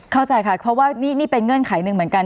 เข้าใจค่ะเพราะว่านี่เป็นเงื่อนไขหนึ่งเหมือนกัน